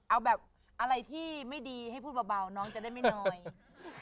เอาแบบอะไรที่ไม่ดีให้พูดเบาน้องจะได้ไม่น้อย